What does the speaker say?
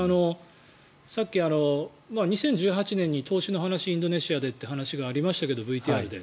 さっき、２０１８年に投資の話をインドネシアでって話がありましたけどＶＴＲで。